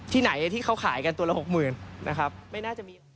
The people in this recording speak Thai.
ที่ไหนที่เขาขายกันตัวละหกหมื่น